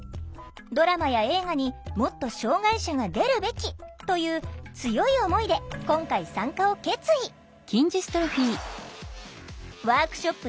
ドラマや映画にもっと障害者が出るべきという強い思いで今回参加を決意ワークショップ